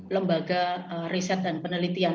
lembaga riset dan penelitian